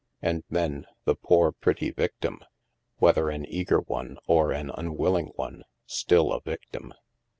And then, the poor pretty victim — whether an eager one, or an unwilling one — still a victim.